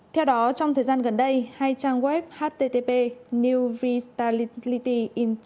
theo đó trong thời gian gần đây hai trang web http newrestabilityin info và http tinguiviet net